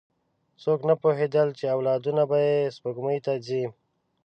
څوک نه پوهېدل، چې اولادونه به یې سپوږمۍ ته ځي.